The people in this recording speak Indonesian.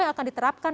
yang akan diterapkan